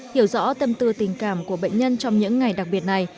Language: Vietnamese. hiểu rõ tâm tư tình cảm của bệnh nhân trong những ngày đặc biệt này